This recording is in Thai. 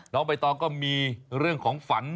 น้องใบต้อก็มีเรื่องของฝัน